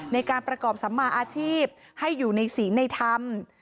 ในการประกอบสัมมาอาชีพให้อยู่ในศีลในธรรม